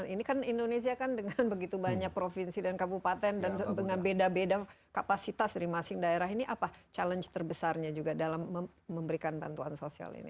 ini kan indonesia kan dengan begitu banyak provinsi dan kabupaten dan dengan beda beda kapasitas dari masing daerah ini apa challenge terbesarnya juga dalam memberikan bantuan sosial ini